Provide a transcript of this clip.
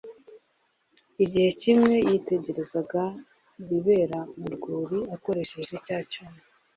Igihe kimwe yitegerezaga ibibera mu rwuri akoresheje cya cyuma